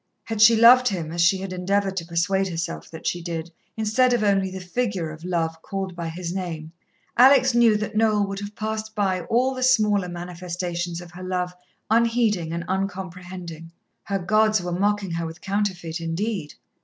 Had she loved him as she had endeavoured to persuade herself that she did, instead of only the figure of Love called by his name, Alex knew that Noel would have passed by all the smaller manifestations of her love unheeding and uncomprehending. Her gods were mocking her with counterfeit indeed.